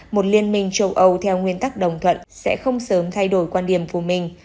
một liên minh châu âu theo nguyên tắc đồng thuận sẽ không sớm thay đổi quan điểm của mình